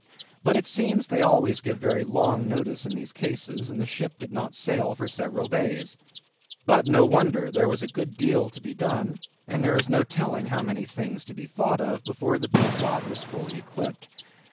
But it seems they always give very long notice in these cases, and the ship did not sail for several days. But no wonder; there was a good deal to be done, and there is no telling how many things to be thought of, before the Pequod was fully equipped.